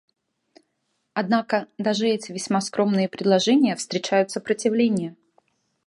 Однако даже эти весьма скромные предложения встречают сопротивление.